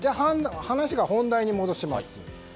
話を本題に戻します。